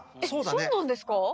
そうなんですか？